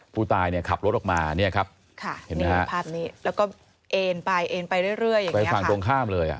ปูตายขับรถออกมาแล้วก็เอนไปเอนไปเรื่อยไปฝั่งตรงข้ามเลย